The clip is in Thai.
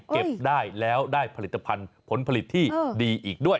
เก็บได้แล้วได้ผลิตภัณฑ์ผลผลิตที่ดีอีกด้วย